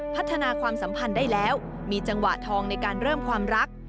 พัฒนาความสัมพันธ์ได้แล้วมีจังหวะทองในการเริ่มความรัก